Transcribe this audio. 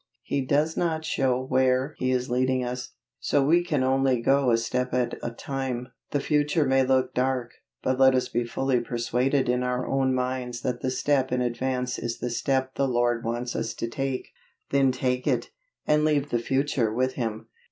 He does not show where He is leading us, so we can only go a step at a time. The future may look dark, but let us be fully persuaded in our own minds that the step in advance is the step the Lord wants us to take then take it, and leave the future with Him.